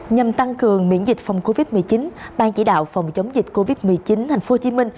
nhằm tăng cường miễn dịch phòng covid một mươi chín ban chỉ đạo phòng chống dịch covid một mươi chín tp hcm